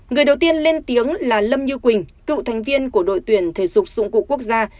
người đầu tiên lên tiếng là lâm như quỳnh cựu thành viên của đội tuyển thể dục dụng cụ quốc gia